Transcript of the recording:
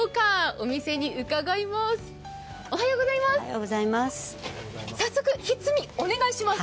おはようございます。